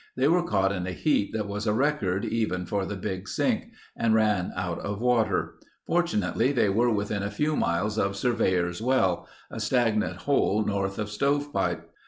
They were caught in a heat that was a record, even for the Big Sink, and ran out of water. Fortunately they were within a few miles of Surveyor's Well—a stagnant hole north of Stovepipe.